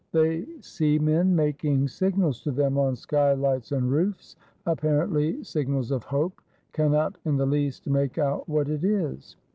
They see men making signals to them, on sky lights and roofs, apparently signals of hope; cannot in the least make out what it is.